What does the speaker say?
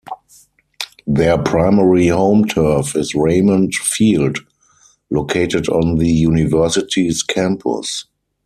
Their primary home turf is Raymond Field located on the University's campus.